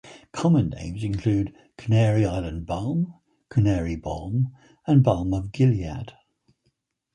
Common names include Canary Islands-balm, Canary balm, and Balm-of-Gilead.